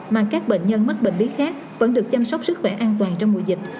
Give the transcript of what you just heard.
mà các bệnh nhân mắc bệnh lý khác vẫn được chăm sóc sức khỏe an toàn trong mùa dịch